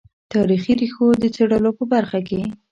تاریخي ریښو د څېړلو په برخه کې.